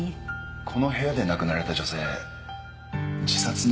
この部屋で亡くなられた女性自殺の可能性は？